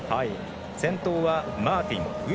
先頭はマーティン。